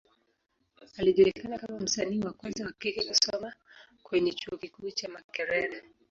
Alijulikana kama msanii wa kwanza wa kike kusoma kwenye Chuo kikuu cha Makerere.